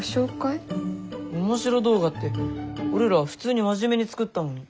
オモシロ動画って俺ら普通に真面目に作ったのに。